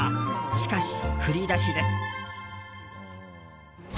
しかし、振り出しです。